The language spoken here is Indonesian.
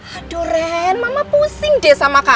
aduh ren mama pusing deh sama pak al